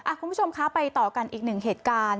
คุณผู้ชมคะไปต่อกันอีกหนึ่งเหตุการณ์